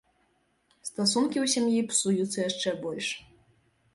Стасункі ў сям'і псуюцца яшчэ больш.